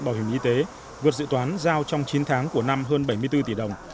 bảo hiểm y tế vượt dự toán giao trong chín tháng của năm hơn bảy mươi bốn tỷ đồng